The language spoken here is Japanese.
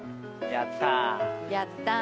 やった。